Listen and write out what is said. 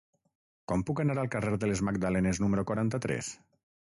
Com puc anar al carrer de les Magdalenes número quaranta-tres?